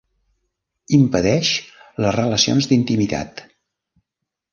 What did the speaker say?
Impedeix les relacions d'intimitat.